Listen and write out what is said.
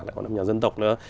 lại còn âm nhạc dân tộc nữa